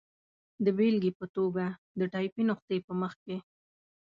د بېلګې په توګه، د ټایپي نسخې په مخ کې.